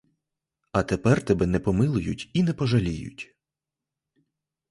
А тепер тебе не помилують і не пожаліють.